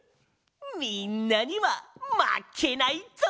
みんなにはまけないぞ！